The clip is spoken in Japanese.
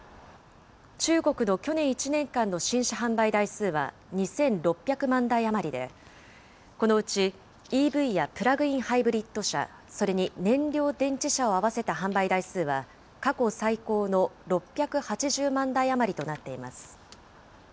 中国の去年１年間の新車販売台数は２６００万台余りで、このうちＥＶやプラグインハイブリッド車、それに燃料電池車を合わせた販売台数は過去最高の６８０万台余りとなっています。